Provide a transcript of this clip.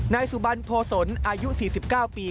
นายสุบันโพศลอายุ๔๙ปี